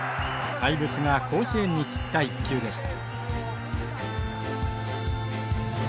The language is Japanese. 怪物が甲子園に散った一球でした。